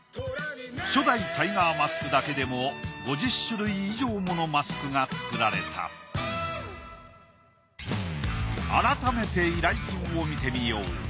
初代タイガーマスクだけでも５０種類以上ものマスクが作られた改めて依頼品を見てみよう。